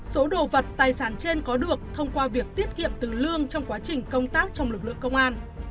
số đồ vật tài sản trên có được thông qua việc tiết kiệm từ lương trong quá trình công tác trong lực lượng công an